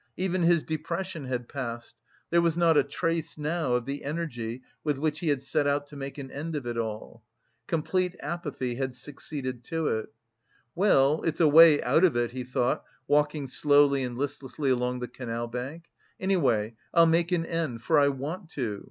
Even his depression had passed, there was not a trace now of the energy with which he had set out "to make an end of it all." Complete apathy had succeeded to it. "Well, it's a way out of it," he thought, walking slowly and listlessly along the canal bank. "Anyway I'll make an end, for I want to....